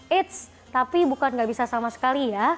eits tapi bukan nggak bisa sama sekali ya